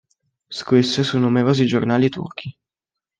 Scrisse su numerosi giornali turchi.